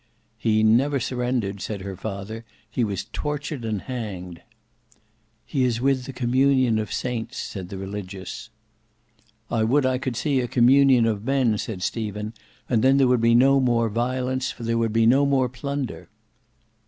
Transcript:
"He never surrendered," said her father. "He was tortured and hanged." "He is with the communion of saints," said the Religious. "I would I could see a communion of Men," said Stephen, "and then there would be no more violence, for there would be no more plunder."